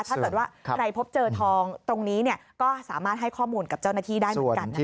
ถ้าเกิดว่าใครพบเจอทองตรงนี้ก็สามารถให้ข้อมูลกับเจ้าหน้าที่ได้เหมือนกันนะคะ